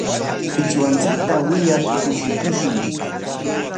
Qichwanchikta wiyar kushikushun.